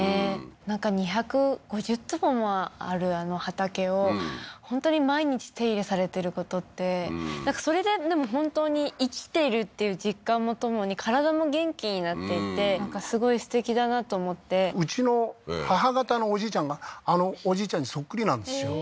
なんか２５０坪もあるあの畑を本当に毎日手入れされてることってそれででも本当に生きてるっていう実感も共に体も元気になっていってすごいすてきだなと思ってうちの母方のおじいちゃんがあのおじいちゃんにそっくりなんですよ